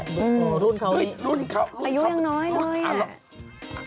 อ๋อรุ่นเขาอีกอายุยังน้อยเลยนะครับรุ่นเขาอีก